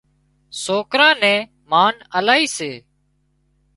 سوڪران نين مانَ آلي سي